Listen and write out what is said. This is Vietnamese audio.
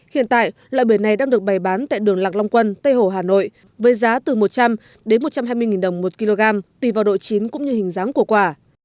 hiện tại loại bưởi này đang được bày bán tại đường lạc long quân tây hồ hà nội với giá từ một trăm linh đến một trăm hai mươi đồng một kg tùy vào độ chín cũng như hình dáng của quả